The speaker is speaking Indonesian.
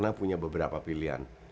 eritana punya beberapa pilihan